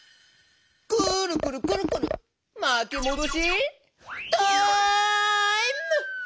くるくるくるくるまきもどしタイム！